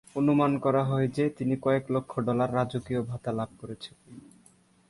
অনুমান করা হয় যে, তিনি কয়েক লক্ষ ডলার রাজকীয় ভাতা লাভ করেছিলেন।